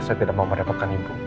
saya tidak mau mendapatkan ibu